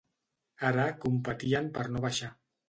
Ara, competien per no baixar.